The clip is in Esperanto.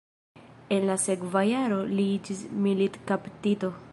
En la sekva jaro li iĝis militkaptito.